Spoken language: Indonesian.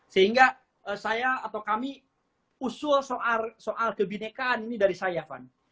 sehingga saya atau kami usul soal kebinekaan ini dari saya fann